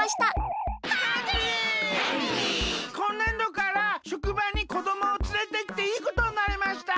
こんねんどからしょくばにこどもをつれてきていいことになりました。